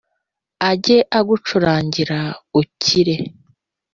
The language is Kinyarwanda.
ajye agucurangira ukire.